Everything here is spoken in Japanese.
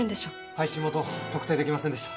配信元特定できませんでした。